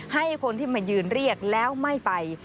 ให้คนที่มายืนเรียกแล้วไม่ไป